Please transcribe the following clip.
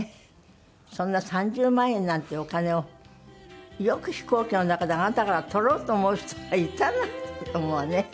そんな３０万円なんてお金をよく飛行機の中であなたから取ろうと思う人がいたなと思うわね。